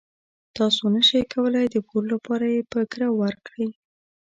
تاسو نشئ کولای د پور لپاره یې په ګرو ورکړئ.